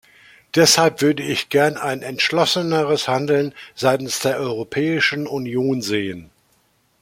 Deshalb würde ich gern ein entschlosseneres Handeln seitens der Europäischen Union sehen.